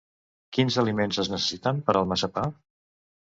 Quins aliments es necessiten per al massapà?